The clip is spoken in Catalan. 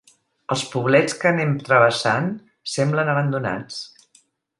Els poblets que anem travessant semblen abandonats.